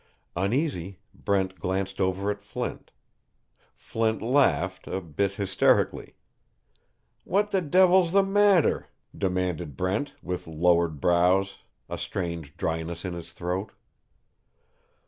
Uneasy, Brent glanced over at Flint. Flint laughed, a bit hysterically. "What the devil's the matter?" demanded Brent, with lowered brows, a strange dryness in his throat.